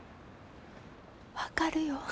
分かるよ。